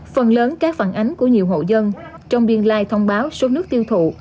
phần lớn các phản ánh của nhiều hộ dân trong biên lai thông báo số nước tiêu thụ